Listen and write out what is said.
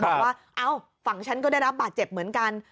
บอกว่าเอ้าฝั่งฉันก็ได้รับบาดเจ็บเหมือนกัน